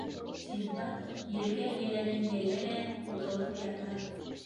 Синдбад ергә еләнен йәйә лә һуҙылып ята.